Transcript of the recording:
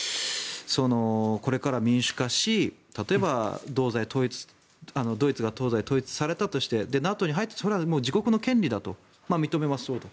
これから民主化し、例えばドイツが東西統一されてもＮＡＴＯに入って自国の権利だと認めましょうと。